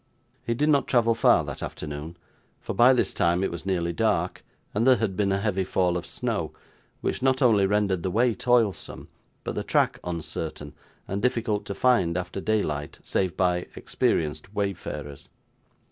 He did not travel far that afternoon, for by this time it was nearly dark, and there had been a heavy fall of snow, which not only rendered the way toilsome, but the track uncertain and difficult to find, after daylight, save by experienced wayfarers.